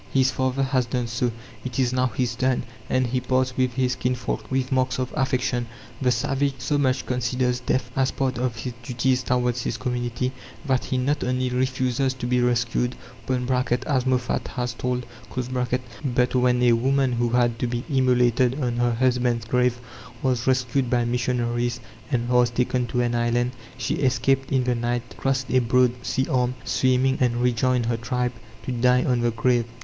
His father has done so, it is now his turn; and he parts with his kinsfolk with marks of affection. The savage so much considers death as part of his duties towards his community, that he not only refuses to be rescued (as Moffat has told), but when a woman who had to be immolated on her husband's grave was rescued by missionaries, and was taken to an island, she escaped in the night, crossed a broad sea arm, swimming and rejoined her tribe, to die on the grave.